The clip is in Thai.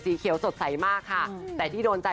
เขียวสดใสมากค่ะแต่ที่โดนใจ